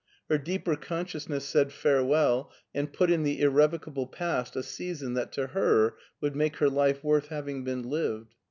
Her deeper consciousness said " Farewell/' and put in the irrevocable past a season that to her would make her life worth having been lived.